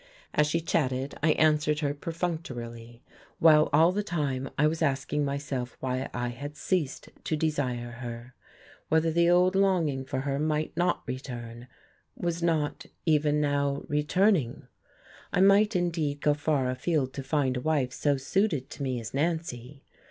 As she chatted I answered her perfunctorily, while all the time I was asking myself why I had ceased to desire her, whether the old longing for her might not return was not even now returning? I might indeed go far afield to find a wife so suited to me as Nancy.